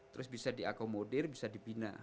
terus bisa diakomodir bisa dibina